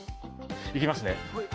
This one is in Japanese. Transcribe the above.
いきますね。